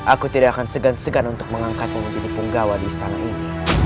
aku tidak akan segan segan untuk mengangkatmu menjadi penggawa di istana ini